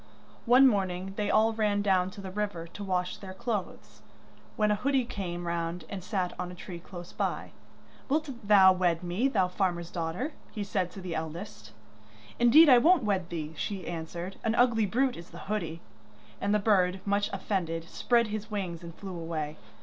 One morning they all ran down to the river to wash their clothes, when a hoodie came round and sat on a tree close by. 'Wilt thou wed me, thou farmer's daughter?' he said to the eldest. 'Indeed I won't wed thee,' she answered, 'an ugly brute is the hoodie.' And the bird, much offended, spread his wings and flew away.